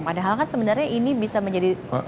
padahal kan sebenarnya ini bisa menjadi